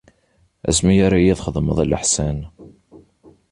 Asmi ara yi-txedmeḍ leḥsan.